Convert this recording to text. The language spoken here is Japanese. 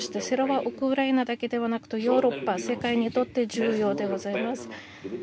それはウクライナだけではなくてヨーロッパ、世界にとって重要でございます。